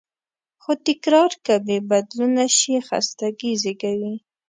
خو تکرار که بېبدلونه شي، خستګي زېږوي.